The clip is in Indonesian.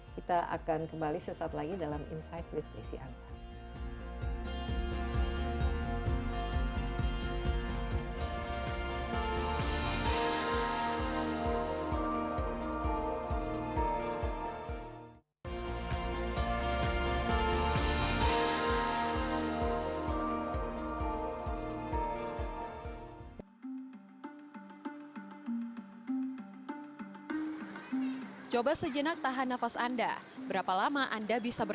kita akan kembali sesaat lagi dalam insight with me